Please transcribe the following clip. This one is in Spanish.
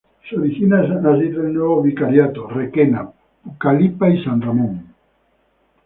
Se originan así tres nuevos Vicariatos: Requena, Pucallpa y San Ramón.